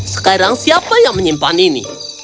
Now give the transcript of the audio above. sekarang siapa yang menyimpan ini